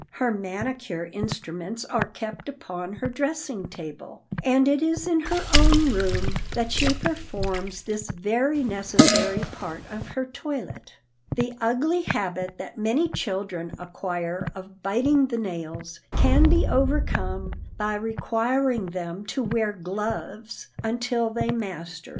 Her manicure instruments are kept upon her dressing table, and it is in her own room that she performs this very necessary part of her toilet. The ugly habit that many children acquire of biting the nails can be overcome by requiring them to wear gloves until they master it.